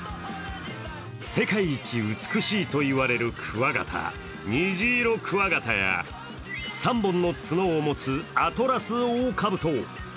世界一美しいといわれるクワガタ、ニジイロクワガタや３本の角を持つアトラスオオカブト。